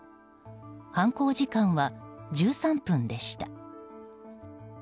犯行時間は１３分でした。